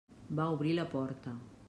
Va obrir la porta.